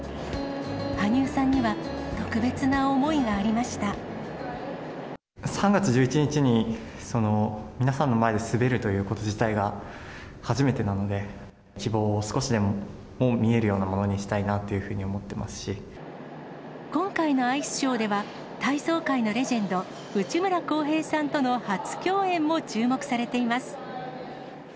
羽生さんには、特別な思いがあり３月１１日に、皆さんの前で滑るということ自体が、初めてなので、希望を少しでも見えるようなものにしたいなというふうに思ってま今回のアイスショーでは、体操界のレジェンド、内村航平さんとの初共演も注目されています。